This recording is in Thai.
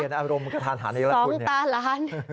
สองตาหลาน